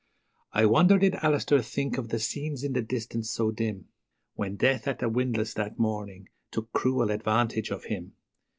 I wonder did Alister think of the scenes in the distance so dim, When Death at the windlass that morning took cruel advantage of him?